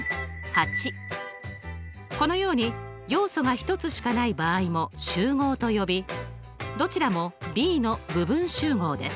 このように要素が１つしかない場合も集合と呼びどちらもＢの部分集合です。